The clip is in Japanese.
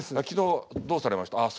「昨日どうされました？